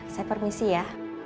saya permisi ya